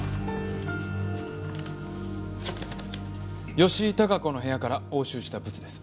吉井孝子の部屋から押収したブツです。